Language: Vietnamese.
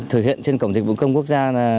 thực hiện trên cổng dịch vụ công quốc gia